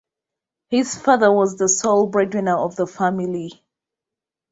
His father was the sole breadwinner of the family.